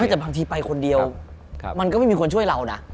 แต่บางทีไปคนเดียวมันก็ไม่มีคนช่วยเรานะ